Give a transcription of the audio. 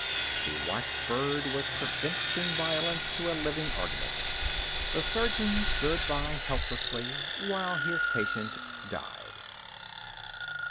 The watchbird was preventing violence to a living organism. The surgeon stood by helplessly while his patient died.